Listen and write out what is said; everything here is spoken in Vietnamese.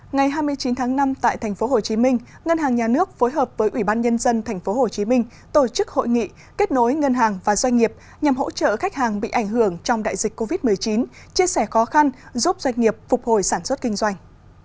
ngày hai mươi chín tháng năm tại tp hcm ngân hàng nhà nước phối hợp với ủy ban nhân dân tp hcm tổ chức hội nghị kết nối ngân hàng và doanh nghiệp nhằm hỗ trợ khách hàng bị ảnh hưởng trong đại dịch covid một mươi chín chia sẻ khó khăn giúp doanh nghiệp phục hồi sản xuất kinh doanh